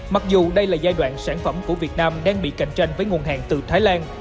mặc dù đây là giai đoạn sản phẩm của việt nam đang bị cạnh tranh với nguồn hàng từ thái lan